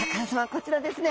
こちらですね。